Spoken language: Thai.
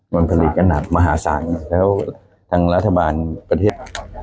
มันผลิตกันหนักมหาศาลแล้วทางรัฐบาลประเทศ